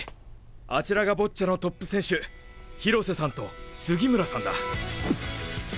あちらがボッチャのトップ選手廣瀬さんと杉村さんだ。